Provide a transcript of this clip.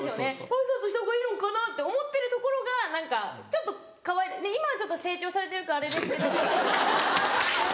挨拶した方がいいのかなって思ってるところが何かちょっと今は成長されてるからあれですけど。